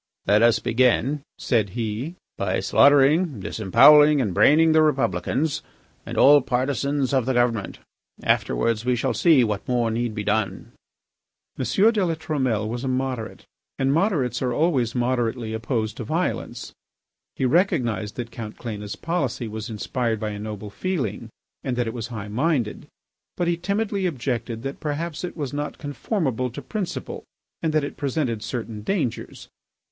"Let us begin," said he, "by slaughtering, disembowelling, and braining the Republicans and all partisans of the government. Afterwards we shall see what more need be done." M. de La Trumelle was a moderate, and moderates are always moderately opposed to violence. He recognised that Count Cléna's policy was inspired by a noble feeling and that it was high minded, but he timidly objected that perhaps it was not conformable to principle, and that it presented certain dangers.